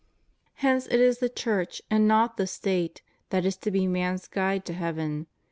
* Hence it is the Church, and not the State, that is to be man's guide to heaven.